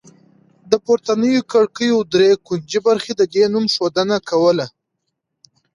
د پورتنیو کړکیو درې کوچنۍ برخې د دې نوم ښودنه کوله